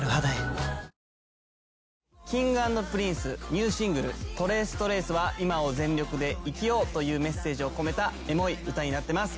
Ｋｉｎｇ＆Ｐｒｉｎｃｅニューシングル『ＴｒａｃｅＴｒａｃｅ』は今を全力で生きようというメッセージを込めたエモい歌になっています。